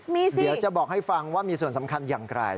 เดี๋ยวจะบอกให้ฟังว่ามีส่วนสำคัญอย่างไร